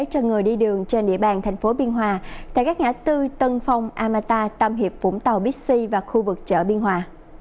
cho người đi đường trên địa bàn thành phố biên hòa tại các ngã tư tân phong amata tam hiệp vũng tàu bixi và khu vực chợ biên hòa